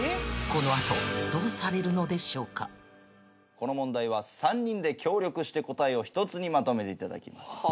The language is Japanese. この問題は３人で協力して答えを１つにまとめていただきます。